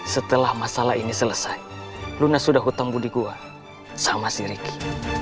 setelah masalah ini selesai luna sudah hutang budi gua sama si ricky